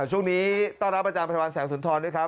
ช่วงนี้ต้อนรับประจำพันธวันแสงสุนทรด้วยครับ